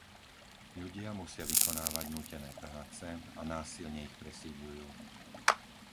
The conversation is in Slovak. Ľudia musia vykonávať nútené práce a násilne ich presídľujú.